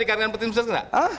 ketika rana sarumpait